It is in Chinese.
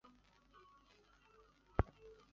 连锁公司自此在中国市场迅速扩张。